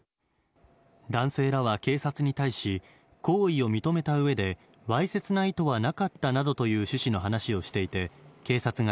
男性らは警察に対し、行為を認めたうえで、わいせつな意図はなかったなどという趣旨の話をしていて、警察が